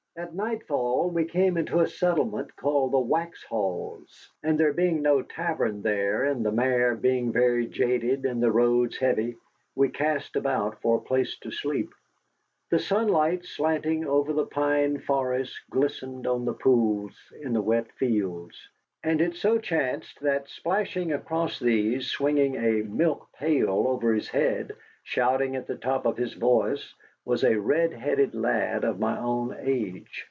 At nightfall we came into a settlement called the Waxhaws. And there being no tavern there, and the mare being very jaded and the roads heavy, we cast about for a place to sleep. The sunlight slanting over the pine forest glistened on the pools in the wet fields. And it so chanced that splashing across these, swinging a milk pail over his head, shouting at the top of his voice, was a red headed lad of my own age.